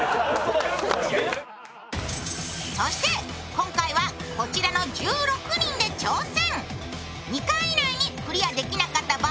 今回はこちらの１６人で挑戦。